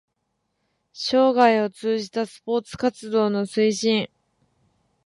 生涯を通じたスポーツ活動の推進